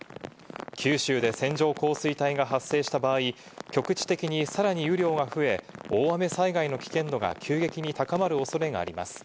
九州で線状降水帯が発生した場合、局地的にさらに雨量が増え、大雨災害の危険度が急激に高まる恐れがあります。